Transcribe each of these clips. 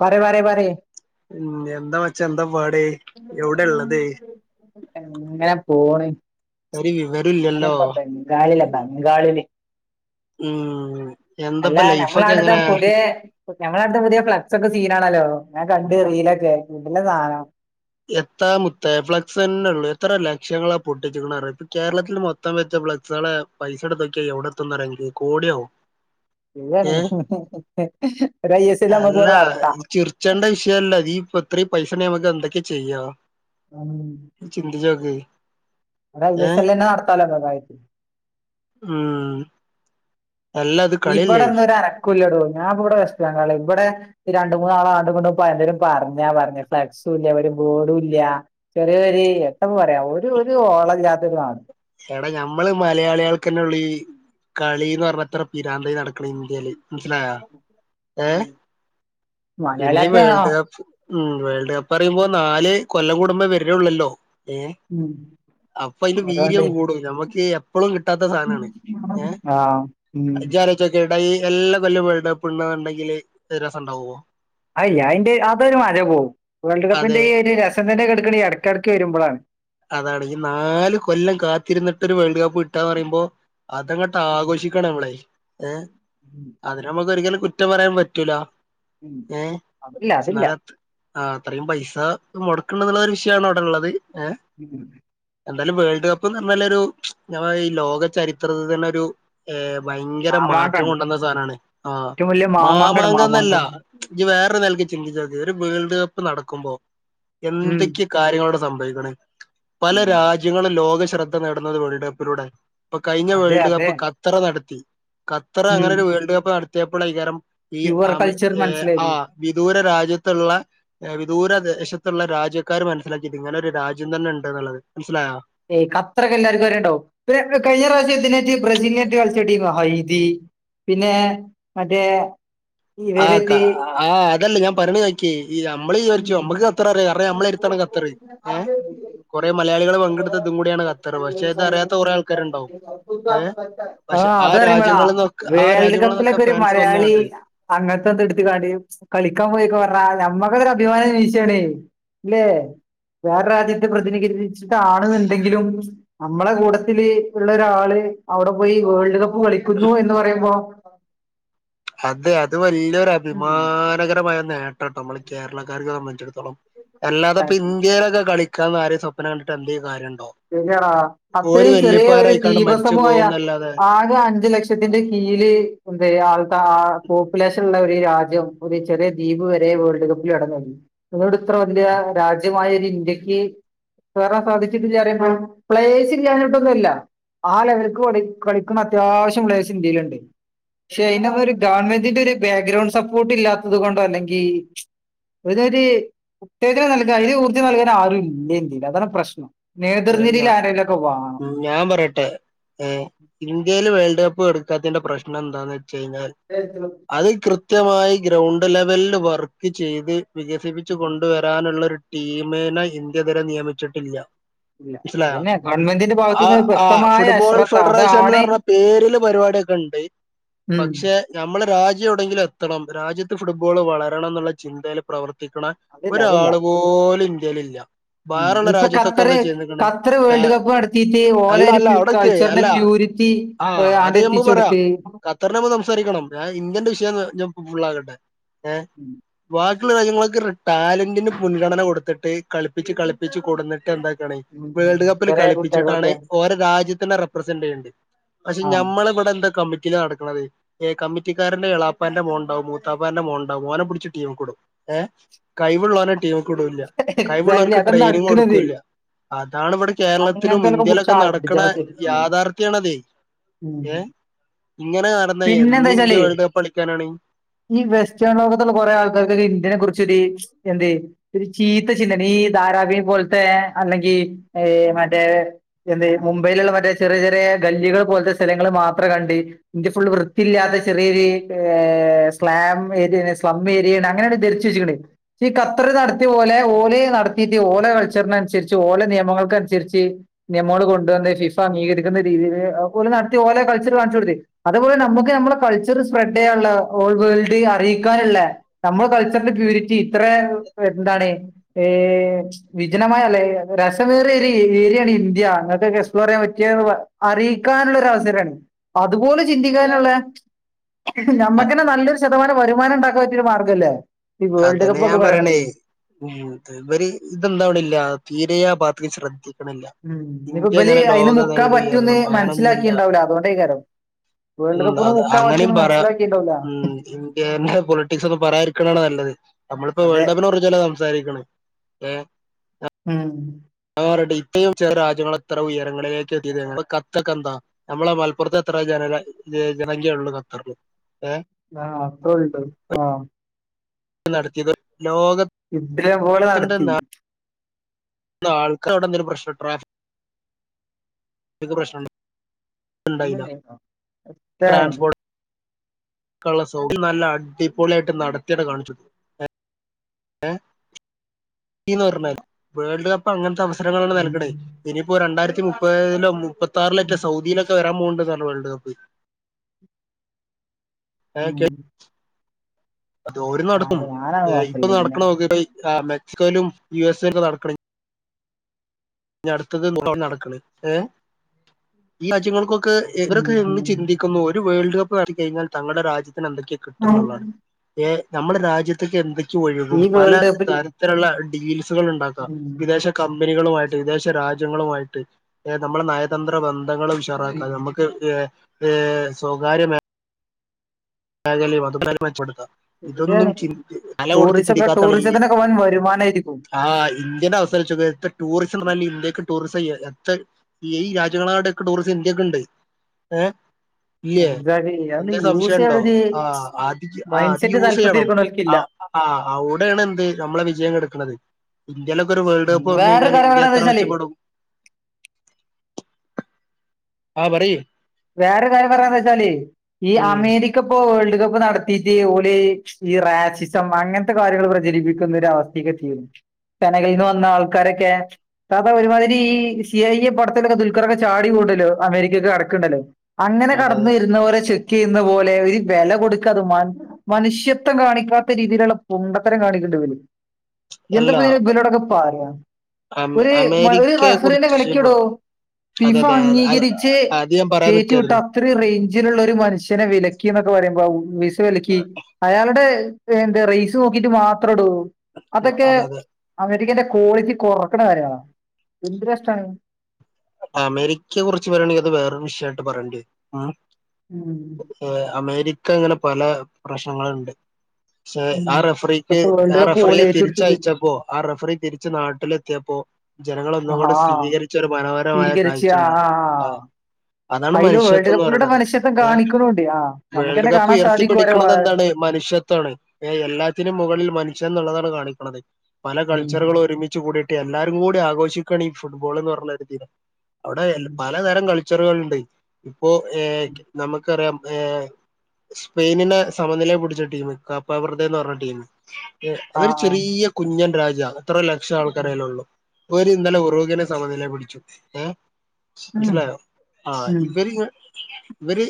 പറെ-പറെ-പറയ് ഉം എന്താമച്ചാ എന്താപാടെയ് എവിടാള്ളത് ഞാനിപ്പബംഗാളിലാ- ബംഗാളില് ഉം അല്ല എന്താപ്പ ലൈഫൊക്കെ ഞമ്മളാടത്തെ എങ്ങനെ പുതിയെ ഞമ്മളാടത്തെ പുതിയ ഫ്ലക്സൊക്കെ സീനാണല്ലോ ഞാൻ കണ്ട് റീലൊക്കെ കിടിലം സാനം എത്താ മുത്തേ ഫ്ലക്സെന്നെള്ളൂ എത്ര ലക്ഷങ്ങളാ പൊട്ടിച്ചിക്കിനറിയോ ഇപ്പൊ കേരളത്തിൽ മൊത്തം വെച്ച ഫ്ളക്സുകളെ പൈസ എടുത്ത് നോക്കിയ എവിടെ എത്തുംന്നറിയോ അൻക്ക് കോടിയാവും. ശരിയാണ് ഏ ഒരു ഐ എസ് എൽ നമ്മുക്ക് ഇവിടെ അല്ലാ നടത്താം ചിറിച്ചേണ്ട വിഷയല്ല ഈ അതീപ്പ ഇത്രയും പൈസ നമക്ക് എന്തൊ ചെയ്യാ ചിന്തിച്ചോക്ക് അതഐ എസ്ൽ ന്നെ നടത്താലോ സുഗായിട്ട് ഉം അല്ല അത് കളിയല്ലേ ഇവിടെന്നരു അനക്കുല്ലെടോ ഞാൻ ഇവിടെ വെസ്റ്റ് ബംഗാൾ ഇവിടെ രണ്ട് മൂന്നാളാണ്ട്ങ്ങട്ടും പ എന്തേലും പറഞ്ഞാ പറഞ്ഞ് ഫ്ലക്സും ഇല്ല ഒരു ബോർഡും ഇല്ല ചെറിയ ഒരു എത്താപ്പം പറയാ ഒരു ഒരു ഓളല്ലാത്ത നാട്. എടാ ഞമ്മള് മലയാളികൾക്കെന്നെള്ളൂ ഈ കളിന്ന് പറഞ്ഞത്ര പി രാന്ത നടക്കണം ഇന്ത്യയില് മനസ്സിലായോ നാട് ഏ പിന്നെ മലയാളിയൊക്കെ ആ വേൾഡ് കപ്പ് ഉം വേൾഡ് കപ്പ് പറയുമ്പോ നാല് കൊല്ലം കൂടുമ്പോ വരുണേളൊള്ളോ ഏ ഉം അപ്പൊ അയ്ന്റെ വീ അതുകൊണ്ട് കൂടും നമുക്ക് എപ്പോഴും കിട്ടാത്ത സാനാണ് ഏ ആഹ് ഉം ഇജ്ജാലോയ്‌ച്ചൊക്കെ ഇഈ എല്ലാ കൊല്ലും വേൾഡ് കപ്പ്‌ണ്ട്ന്ന്ണ്ടെങ്കിൽ അഈ രസംണ്ടാവോ അയ്യ അയിന്റെ അതൊരു മജ പോവും വേൾഡ് അതെ കപ്പിന്റെ ഈ ഒരു രസം തന്നെ കെടക്കണേ ഇടക്കിടയ്ക്ക് വരുമ്പോഴാണ് അതാണ് ഈ നാല് കൊല്ലം കാത്തിരുന്നിട്ടൊരു വേൾഡ് കപ്പ് കിട്ടാന്ന് പറയുമ്പോ അതങ്ങോട്ട് ആഘോഷിക്കാണ് നമ്മള്. ഏഹ് അതിന നമുക്ക് ഒരിക്കലും കുറ്റം പറയാൻ പറ്റൂല ഉം ഏഹ് അതല്ല അതില്ല എന്നാലും ആഹ് അത്രേയും പൈസ മൊടക്ക്ണ്ട്ന്ന്ള്ള ഒരു വിഷയാണ് അവിടെ ഇള്ളത് ഏഹ് ഉം എന്താലും വേൾഡ് കപ്പ്ന്ന് പറ്ഞ്ഞാല് ഒരു ഞാ പറി ഈ ലോക ചരിത്രത്തിൽ തന്നെ ഒരു ഹേ. വയങ്കെര മാറ്റം മാമാങ്കാണ് കൊണ്ടന്ന സാനാണ് ആഹ് ഏറ്റവും വലിയ മാമാങ്കാണ് മാമാങ്കന്നല്ല മാമാങ്കം ഇജ് വേറെ അത്ര നൽകി ചിന്തിച്ചാ മതി ഒരു വേൾഡ് കപ്പ് നടക്കുമ്പോ ഉം എന്തൊക്കെ കാര്യങ്ങളാട് സം ക്കണ് പല രാജ്യങ്ങളും ലോക ശ്രദ്ധ നേടുന്നത് വേൾഡ് കപ്പിലൂടെ ഇപ്പൊ കഴിഞ്ഞ അതെ വേൾഡ് അതെ കപ്പ് ഖത്തറ നടത്തി ഖത്തർ ഉം അങ്ങനെ ഒരു വേൾഡ് കപ്പ് നട തേപ്പളായികരം ഈ പ്യുവർ ആമി കൾച്ചർ ഏഹ് മനസ്സിലായത് ആഹ് വിദൂര രാജ്യ ത്ത്ള്ള ഏഹ് വിദൂരദേശത്തുള്ള രാജ്യ ക്കാർ മനസ്സിലാക്കിയത് ഇങ്ങനെ ഒരു രാജ്യ ദ്യം തന്നെണ്ട്ന്നുള്ളത് മനസ്സിലായോ ഏയ് അത്രൊക്കെ എല്ലാർക്കും അറിണ്ടാവും പിന്നെ പിന്നെ കഴിഞ്ഞ പ്രാവശ്യം ഇതിനേറ്റ് ബ്രസീലിനേറ്റ് കളിച്ച ടീമാ ഹൈജീൻ പിന്നെ മറ്റേ ആഹ് കാ ഇവരേറ്റ് ആഹ് അതല്ല ഞാൻ പറണ കേക്കി അടുത്താണ് ഖത്തർ ഏ കുറെ മലയാളികൾ പങ്കെടുത്ത ഇതും കൂടിയാണ് ഖത്തർ പക്ഷെ ഇത് അറിയാത്ത കുറെ ആൾക്കാരുണ്ടാവും ഏ പക്ഷെ ആ അതറിമ്പളാ രാജ്യങ്ങളിൽന്നൊക്കെ ആ വേൾഡ് രാജ്യങ്ങളിൽന്നൊക്കെ കപ്പിലൊക്കെ ഒരു ഫാൻസ് മലയാളി വന്നാണ്ട് അങ്ങത് ടുത്തുകാണീ കളിക്കാൻ പോയീന്ന് റഞ്ഞാൽ ഞമ്മ ദ് ഒരു അഭിമാന നിമിഷാണേ ല്ലേ വേറെ രാജ്യത്ത് പ്രതിനിധീകരിച്ച് താണ്ന്നുണ്ടെങ്കിലും നമ്മളെ കൂട്ടത്തില് ഉള്ള ഒരാള് അവിടെ പോയി വേൾഡ് കപ്പ് കളിക്കുന്നു എന്ന് പറയുമ്പോ അത് അത് വലീ ഉം ഒരഭിമാനകരമായ നേട്ടാട്ടോ നമ്മള് കേരളക്കാരെ സംബന്ധിച്ചെടു എല്ലാത്പ്പോ ഇന്ത്യേലൊക്കേ കളി ഇൻഷാ അള്ളാ ആരെ സ്വപ്നം കണ്ടിട്ട് എന്തേ കാര്യണ്ടോ? ശെരിയാടാ ഓര് അത്രയും ചെറിയ ഒരു വല്യപ്പാരായിക്കാണ്ട് മരിച്ചു ദീപസമൂഹായ പോകുന്നല്ലാതെ ആകെ അഞ്ചു ലക്ഷത്തിന്റെ കീഴില് എന്തെയ്യാ ആൾട്ട ആ പോപ്പുലേഷൻ ള്ള ഒരു രാജ്യം ഒരു ചെറിയ ദ്വീപ് വരെ വേൾഡ് കപ്പിൽ ഇടംനേടി ഒന്നുടെ ഇത്ര വല്യ രാജ്യമായോരീ ഇന്ത്യക്ക് കേറാൻ സാധിച്ചിട്ടില്ലറിയാം പ്ലെയേഴ്സ് ഇല്ലാഞ്ഞിട്ടൊന്നുല്ല ആ ലെവൽക്ക് കളിക്കണ അത്യാവശ്യം പ്ലെയേഴ്സ് ഇന്ത്യയില്ണ്ട് പക്ഷെ അയിനതൊരു ഗവൺമെന്റിന്റെരു ബാക്ക്ഗ്രൗണ്ട് സപ്പോർട്ട് ഇല്ലാത്തത് കൊണ്ടോ അല്ലെങ്കി അതൊരു ഉത്തേജനം നൽകാൻ അയിന് ഊർജം നൽകാൻ ആരുല്ലേന്ത്യയില് അതാണ് പ്രശ്നം. ന്ന ഞ നേതൃനിരയിൽ ആരെങ്കിലുമൊക്കെ വേണം ഞാൻ പറട്ടെ ഏ ഇന്ത്യല് വേൾഡ് കപ്പ് പ്പ് കൊടുക്കാത്തതിന്റെ പ്രശ്നന്താന്ന് വെച്ച ച്ച് കഴിഞ്ഞാൽ അത് കൃ കൃത്യമായി ഗ്രൗണ്ട് ലെവൽല് വർക്ക് ചെയ്ത്- വികസിപ്പിച് കൊണ്ടുവരാനുള്ളൊരു- ടീമേന ഇന്ത്യതരെ നിയമിച്ചിട്ടില്ല- ഇല്ല മനസിലായോ അതന്നെ ഗവൺമെന്റിന്റെ ആഹ് ഭാഗത്തുനിന്ന് ആഹ് വ്യക്തമായ ഫുട്ബോളൽ അശ്രദ്ധ ഫെഡറേഷൻ ന്ന് അതാണ് പറഞ്ഞ പേരില് പരിപാടിയൊക്കെ ഉണ്ട് ഉം. പക്ഷെ നമ്മളെ രാജ്യ- ജ്യംഎവിടെങ്കിലും എത്തണം രാജ്യത്ത് ഫുട്ബോൾ വളരണന്നുള്ള ചിന്തയിൽ പ്രവർ ർത്തിക്ക്ണ അതില്ല അതില്ല ഒരാള് പോലും ഇ ന്ത്യയിലില്ല- ഇപ്പൊ ഖത്തറ്‌ - ചെയ്തേക്ക്ണ് ആ ഓലെ അല്ല അല്ല ഒരു അവിടെയിക്ക് കൾച്ചറിന്റെ അല്ല പ്യൂരിറ്റി ആ അത് ആണ്ട് ഞ മ്മക്ക് എത്തിച്ചു പറയാ കൊടുത്ത് ഖത്തറിന്റെ നമ്മക്ക് സംസാരിക്കണം ഞാൻ ഇന്ത്യന്റെ വിഷയൊന്ന് ഞ്ഞം. ഫുള്ളാകട്ടെ- ഏ വാ- റ്റുള്ള രാജ്യങ്ങൾക്ക് റ്‌ ടാലന്റിന് മുൻഗണന കൊടുത്ത്ട്ട് കളിപ്പിച്ച് കളിപ്പിച്ച് കൊടുന്നിട്ട് എന്താ- ണ് വേൾഡ്കപ്പില് ചെറിയ കളിപ്പിച്ചിട്ടാണെ കുട്ടികൾക്കൊക്കെ ഓരെ രാജ്യത്തിനെ റെപ്രസെന്റ് ചെയ്യണ്ട് പക്ഷെ ആ നമ്മളിവിടെ എന്താ കമി- ഇത് നടക്കുന്നത് ഏ കമ്മിറ്റിക്കാരന്റെ എളാപ്പാന്റെമോൻ ണ്ടാവും മൂത്താപ്പാന്റെ മോൻണ്ടാവും ഓനെ പിടിച്ച് ടീമുക്കുടും ഏഹ് കൈവുള്ളവനെ ടീം- ക്കുടൂല്ല എക്സാക്ട്ലി കൈവുള്ളോർക്ക് അതാണ് ട്രെയിനിങ് നടക്കണത് കൊടുക്കൂല്ല- അതാണ് വടെ കേരളത്തിലും അങ്ങനത്തെ പിടിച്ച് ഇന്ത്യയിലൊക്കെ നടക്ക്ണെ അടിച്ചാണ് ശരിക്കും യാഥാർത്യാണതെ ഉം. ഏഹ് ഇങ്ങനെ നടന്ന പിന്നെന്താ എന്നിന്ത്യ വെച്ചാല് വേൾഡ് കപ്പടിക്കാനാണ് ഈ വെസ്റ്റേൺ എന്തേ ഒരു ചീത്ത ചിന്തന ഈ ധാരാവിം പോൽത്തെ അല്ലെങ്കി ഏഹ് മറ്റേ എന്ത് മുംബൈയില്ള്ളെ മറ്റെ ചെറി ചെറ്യേ ഗല്ലികൾ പോൽത്തെ സ്ഥലങ്ങൾ മാത്രം കണ്ട്. ഇന്ത്യ ഫുൾ വൃത്തില്ലാത്ത ചെറിയൊരു ഏഹ് സ്ലാം ഏത്ന് സ്ലം ഏരിയാണ് അങ്ങനാണ് ധരിച്ചു വെച്ചിക്ണ്. ഈ ഖത്തറ് നട് ത്യ പൊലെ ഓല് നടത്തിട്ട് ഓല കൾച്ചർനൻസര്ച്ച് ഓലെ നിയമങ്ങൾക്കൻസര്ച്ച് നിയമങ്ങള് കൊണ്ടുവന്ന് ഫിഫ അംഗീകരിക്കുന്ന രീതിയില് ഓക്കെ ഓല് നട്ത്തി ഓലെ കൾച്ചറ് കാൺച്ചൊട്ത്ത്. അതുപോലെ നമ്മക്ക് നമ്മടെ കൾച്ചറ് സ്പ്രെഡെയ്യാള്ള ഓൾ വേൾഡ് അറിയി ക്കാന്ള്ളെ നമ്മൾ കൾച്ചറിന്റെ പ്യൂരിറ്റി ഇത്ര എന്താണ് ഏഹ് വിജനമായല്ലേ രസമേറിയൊരു ഏഹ് ര്യാണ് ഇന്ത്യ ഇങ്ങൻത്തൊക്കെ യെസ് പ്ലോറെയ്യാൻ പറ്റ്യേന്ന് അറിയിക്കാനുള്ളൊരവസരാണ്. അതുപോലും ചിന്തിക്കാനൊള്ളെ ഞമ്മക്കന്നെ നല്ലൊരു ശതമാനം വരുമാനണ്ടാക്കാൻ പറ്റ് - റ്റൊരു മാർഗല്ലേ ഈ വേൾഡ് കപ്പൊക്കെ പറിണത് ഉംഹ് ത് വര് ഇതന്താവ്ണില്ല തീരെ ആ ഭാഗത്ക്ക് ശ്രദ്ധി ക്ക്ണില്ല. ഉം. ഇനിയിപ്പോ ഇവല് ഇന്ത്യങ്ങനെ അതിന് ലോക മുക്കാൻ നിഴല് പറ്റുമെന്ന് ഉയരണം ആണൊന്നില്ല. മനസ്സിലാക്കിണ്ടാവില്ല അതുകൊണ്ടേ കാരം വേൾഡ് ഉംഹ് കപ്പ് അത് മുക്കാൻ അങ്ങനിം പറ്റുമെന്ന് പറയം മനസ്സിലാക്കിണ്ടാവില്ല ഉംഹ് ഇന്ത്യന്റെ പൊളിറ്റിക്സൊക്കെ പറയാതിരിക്ണാണ് നല്ലത് ത് നമ്മള്പ്പോ അതെ വേൾഡപ്പിനെ കുറിച്ചല്ലേ സംസാരിക്ണെ ഏഹ് അഹ് ഉം പറയട്ടെ ഇപ്പയും ചെല രാജ്യങ്ങള് എത്ര ഉയരങ്ങളിലേക്ക് എത്തിയത് [inaudible] കത്തക്കെന്താ നമ്മളെ മലപ്പുറത്തെ എത്ര ജന ഇ ജനക്യ ഉള്ളതാ [inaudible] ഏ [inaudible] ആഹ് നടത്തിയത് ലോകത്തിന്റെ ഉഗ്രൻ പോലെ നടത്തി [inaudible] ആൾക്കാ അവിടെ എന്തെരു പ്രശ്നട്രാ നക്ക് പ്രശ്നണ്ട് ല്ല ട്രാൻസ്പോർട്ട് [inaudible] [unintelligible] നല്ല അടിപൊളിയായിട്ട് നടത്തിയടെ കാണിച്ച [inaudible] ഏഹ് ഏ ന്ന് പറഞ്ഞാൽ വേൾഡ് കപ്പ് അങ്ങനത്തെ അവസ് [inaudible] നൽകണ് ഇനിയിപ്പോ രണ്ടായിര മുപ്പത്തിലോ മുപ്പത്താറിലറ്റ സൗദയിലൊക്കെ വരാൻ പോണ്ട് മാണ് വേൾഡ് കപ്പ് ആഹ അതെ ഓര് നടക്കും ഇപ്പൊ കുഴപ്പല്ല പിന്നെ നടക്കണ നോക്കെ ആ മെക്സിക്കോയിലും യു എസ്സും ഒക്കെ നടക്കണെ അടുത്തത് നടക്കണ ഏ ഈ രാജ്യങ്ങൾക്കൊ ക്ക് ഇവർക്ക് ഇന്ന് ചിന്തിക്കുന്നു ഒരു വേൾ കപ്പ് റിക്കഴിഞ്ഞാൽ തങ്ങളുടെ രാജ്യ ന് എന്തൊക്കെയാണ് കിട്ടുന്നുള്ളതാണ് ഏ നമ്മളുടെ രാജ്യത്തൊക്ക എന്തൊ ഴുകും ഈ പല വേൾഡ് കപ്പില് തരത്തിലുള്ള [inaudible] ണ്ടാക്ക വിദേശ കമ കമ്പനികളുമായിട്ട് വിദേശ രാജ്യങ്ങളുമായിട്ട് നമ്മളുടെ നയതന്ത്ര ബന്ധ ങ്ങളെ ഉഷാറാക്കാ നമുക്ക് ഏ സ്വകാര്യമേ മച്ചെടുക്കാം [unintelligible] ഇതൊന്നും ശരിയാണ് ചി തല കൊടുത്ത് ടൂറിസം ഒക്കെ ചിന്തിക്കാത്താണ് ഈ ടൂറിസത്തിനൊക്കെ വൻ വരുമാനമായിരിക്കും ആ ഇന്ത്യൻ അവസാനിച്ചത് ടൂറിസം ഇന്ത്യക്ക് ടൂറിസം ഇ ഈ രാജ്യങ്ങളാടെക്കെ ടൂറിസം ഇന്ത്യക്ക് ഉണ്ട് ഏ ഇല്ലേ അന്തായി ഇല്ല അത് എന്തേ സംശയം യൂസ് ഉണ്ടോ ആ അ ആ് മൈൻഡ് അത് സെറ്റ് യൂസ് ചെയ്യണം താല്പര്യത്തിരിക്കണോൽക്കില്ല ആ അവിടെയാണ് എന്ത് നമ്മളെ വിജയം കെടക്കണത് ഇന്ത്യയിലൊക്കെ ഒരു വേൾഡ് കപ്പ് വന്നു വേറൊരു കഴിഞ്ഞാൽ കാര്യം ഇന്ത്യ പറയണന്ന് എത്ര വെച്ചാല് മെച്ചപ്പെടും ആഹ പറയ് വേറൊരു കാര്യം പറയാ വെച്ചാല് ഈ ഉം അമേരിക്ക ഇപ്പോ വേർഡ് കപ്പ് നടത്തിട്ട് ഓല് ഈ റാസിസം അങ്ങനത്തെ കാര്യങ്ങൾ പ്രചരിപ്പിക്കുന്ന അവസ്ഥക്കെ തീരുന്നു സനകയിൽ നിന്ന് വന്ന ആൾക്കാരൊക്കെ അ ഒരുമാതിരി ഈ സി ഐ പടത്തിലൊക്കെ ദുൽഖറക്കെ ചാടി കൂടുല്ലോ അമേരിക്കൊ ണ്ടല്ലോ അങ്ങനെ അതെ കടന്ന അതെ വരുന്ന പോല ചു ക്കുന്ന പോലെ ഒരു വില കൊടുക്കാത മ മനുഷ്യത്വം കാണിക്കാത്ത രീതിയിലുള്ള പൊണ്ടത്തരം കാണിക്കേണ്ടി വരും അല്ല എന്താപ്പ ബിലോടൊക്കെ പറയാ ഒരു ഒരു അമേരിക്കയെ റഫറിനെ കുറിച്ച് കളിക്കടോ അതെ ഫിഫ അതെ അംഗീകരിച്ച് അത് ഞാൻ പറയാൻ കേച്ചി വിട്ട നിക്കായിരുന്നു അത്രയും റേഞ്ച് ള്ള ഒരു മനുഷ്യനെ വിലക്കി എന്നൊക്കെ പറയുമ്പോ വിസ വിലക്കി അയാളുടെ എന്ത റൈസ് നോക്കിട്ട് മാത്രം എടോ അതൊക്കെ അതെ അതെ അമേരിക്കന്റെ ക്വാളിറ്റി കൊറക്കണ കാര്യണ എന്തൊരുരാഷ്ടാണ് അമേരിക്കയെ കുറിച്ച് പറയണെങ്ക അത് വേറെരു വിഷയയിട്ട് പറയേണ്ടി വരും ഉം ഉം ഏഹ് അമേരി - ഒക്കെ ഇങ്ങനെ പല പ്രശ്നങ്ങളുണ്ട് ഉം ആ റഫറിക്ക് ഇപ്പത്തെ വേൾഡ് ആ കപ്പ് ഓല് റഫറിയെ ഏറ്റെടുത്തത് തിരിച്ചയച്ചപ്പോ ആ റഫറി തിരിച്ച് നാട്ടിലെത്തിയപ്പോ ജനങ്ങൾ ഹാ ഒന്നുകൂടി സ്ഥിരികരിച്ച ഒരു മനോര കാഴ്ച ഉണ്ടത് ആ അതാണ് അയില് വേൾഡ് മനുഷ്യത്വം എന്ന് കപ്പിലൂടെ പറയണത് മനുഷ്യത്വം ഏഹ് കാണിക്കണുണ്ട് ആ നമുക്ക് വേൾഡ് തന്നെ കപ്പ് കാണാൻ ഉയർത്തി സാധിക്കും ഓരെ വാ പിടിക്കണത് എന്താണ് മനുഷ്യത്വമാണ് ഏഹ് എല്ലാത്തിനും മുകളിൽ മനുഷ്യ എന്നുള്ളതാണ് കാണിക്കണത് പല ഉം കൾച്ചറുകളും ഒരുമിച്ച് കൂടിയിട്ട് എല്ലാരും കൂടി ആഘോഷിക്കാണ് ഈ ഫുട്ബോൾ എന്ന് പറഞ്ഞ ഒരു തീരം അവിടെ ഉം പലതരം കളിച്ചു ക്ച്ചറുകൾണ്ട് ഇപ്പോ ഏഹ് ഉം. നമുക്കറിയാം ഏഹ് സ്പെയിനിനെ സമനിലേ പിടിച്ച ടീം കപ്പവർടേന്ന് പറഞ്ഞ ടീം ആ അതൊരു ആ. ചെറിയ കുഞ്ഞൻ രാജ [unintelligible] എത്ര ലക്ഷം ആൾക്കാര അയിലുള്ളെ ഓര് ഇന്നലെ ഉം ഉറുകിനെ സമനില പിടി ച്ചു ഓഹ് ഉം മനസ്സിലായോ ആഹ് ഉം ഇവര് ഇവര്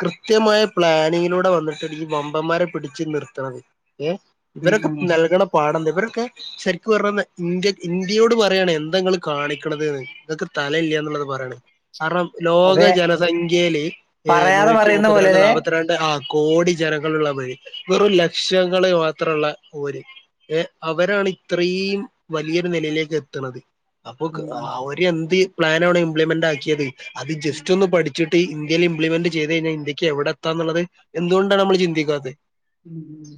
കൃത്യമായ പ്ലാനിങ്ങിലൂടെ വന്നിട്ടാണ് ഈ വമ്പന്മാരെ പിടിച്ച് നിർത്തണത് ഏഹ് ഉം ഇവരൊക്കെ ഉം. നൽകണ പാഠം എന്ത അവരൊക്കെ ശരിക്കും പറഞ്ഞ ഇന്ത്യ ഇന്ത്യയോട് പറയാണ് എന്താ നിങ്ങൾ കാണിക്കണ്ത് ന്ന് നിങ്ങക്ക് തലയില്ല്യന്നുള്ളത് പറയാണ് കാരണം ലോക അതെ ജനസംഖ്യെല് ഇഹ് പറയാതെ നൂറ്റി പറയുന്ന മുപ്പത്തിരണ്ട് പോലെല്ലേ നാല്പത്തിരണ്ട് ആ കോടി ജനങ്ങളുള്ളവര് വെറും ലക്ഷങ്ങള് മാത്രമുള്ള ഓര് ഏഹ് അവരാണ് ഇത്രയും വലിയൊരു നിലയിലേക്ക് എത്തണത് അപ്പൊ ഉം ആ ഉം എന്ത് പ്ലാനാ ഇവിടെ ഇംപ്ലിമെന്റ് ആക്കിയത് അത് ജസ്റ്റൊന്ന് പഠി ച്ച്ട്ട് ഇന്ത്യയിലിംപ്ലിമെന്റ് ചെയ്ത്ഴിഞ്ഞാ ഇന്ത്യക്ക് എവിടെത്താന്ന്ള്ളത് എന്തുകൊണ്ടാണ് നമ്മള് ചിന്തിക്കാത്തേ മ്മ്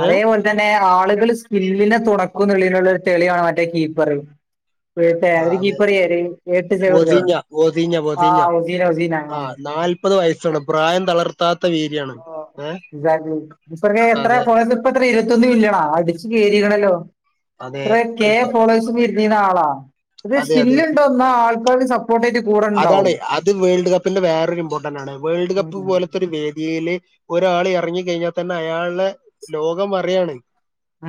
ഏഹ് അതേ പോലെ തന്നെ ആള്കള് സ്കില്ലിനെ തൊട ക്കുന്ന്ള്ളീന്ള്ളൊരു തെള്യണ് മറ്റേ കീപ്പറ് ആ അതെ എട്ട് ചവിടുതോ ഒതിഞ്ഞ ഒതിഞ്ഞ ആ ഒതിഞ്ഞ ഒസീന ഒസീന ആ ആഹ് നാല്പത് വയസ്സൊള്ളൂ പ്രായം തളർ ആഹ് [unintelligible] എത്രയാ അതെ ഫോളേയ്സ് ഇപ്പത്ര ഇരുപത്തൊന്ന് മില്ല്യണോ അടിച്ച് കേറീക്ണല്ലൊ അതെ ഇത്രേ കെ ഫോളഴ്സ്മ്മേ ഇ ഇനി നാളാ അതെ സ്കില്ല്ണ്ടോ ന്നാ ആൾ ഗോളി സപ് അതാണ് അത് വേൾഡ് കപ്പിന്റെ വേറൊരു ഇമ്പോർട്ടന്റാണ്. വേൾഡ് കപ്പ് ഉം പോലത്തൊര് വേദിയില് ഒരാള് എർങ്ങി കയ്ഞ്ഞാ തന്നെ അയാളെ ലോകം അറിയാണ്.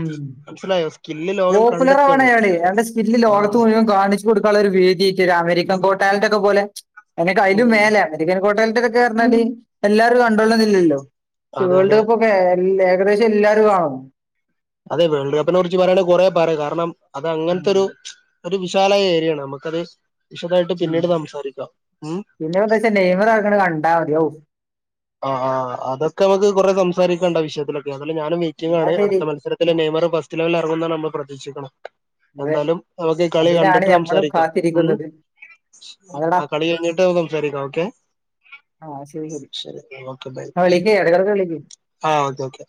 മ്മ് മനസ്സിലായോ സ്കില്ല് ലോകം കണ്ടെത്താണ് പോപ്പുലറാവാണയാളെ അയാൾടെ സ്കില്ല് ലോകത്ത് ആഹ് മുഴുവൻ കാണിച്ച് കൊട്ക്കാന്ള്ളൊരു വേദ്യായ്റ്റേ അമേരിക്ക കോട്ടാലന്റെക്കെ പോലെ ച് അയിനോക്കെ അയ്നും ഉം മേലെ മെഡിക്കൻ കോട്ടേല് [unintelligible] എല്ലാരും കണ്ടോളന്നില്ലല്ലോ അതെ അതെ വേൾഡ് കപ്പൊക്കെ എല്ലല് ഏകദേശല്ലാരും കാണും അതെ വേൾഡ് കപ്പിനെ കുറിച്ച് പറയാണേ കൊറെ പറ്യ കാരണം അതങ്ങൻത്തൊരു ഒരു വിശാലായ ഏരിയാണ് നമുക്കത് വിശദായിട്ട് മ്മ് പിന്നീട് സംസാരിക്കാം ഉം പിന്നെപ്പെന്താച്ചാ നെയ്മറ് എറങ്ങ്ണ കണ്ടാ മതി ഔ അ ആഹ് അതൊക്കമക്ക് കൊറെ സംസാരിക്കാണ്ട് ആ വിഷയത്തിലൊക്കെ താലും ഞാനും എന്നാ വെയ്റ്റിങ്ങാണ് അട്ത്ത ശരി മത്സരത്തില് നെയ്മർ ഫസ്റ്റ് ലെവലെറങ്ങുന്നാണ് നമ്മ പ്രതിക്ഷിക്കണം എന്താലും നമക്ക് ഈ കളി അതിനാണ് കണ്ട്ട്ട് ഞമ്മളും സംസാരിക്കാം മ്മ് കാത്തിരിക്കുന്നത് അതെടാ ആ കളി കയ്ഞ്ഞ്ട്ട് സംസാരിക്കാം ഓക്കെ ആഹ് ശരി ശരി ഓക്കെ ബൈ ആ, വിളിക്ക് ഇടക്കിടക്ക് വിളിക്ക് ആഹ് ഓക്കെ ഓക്കെ